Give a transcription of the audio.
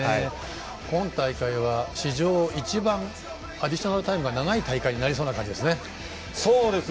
今大会は史上一番アディショナルタイムが長い大会になりそうですね。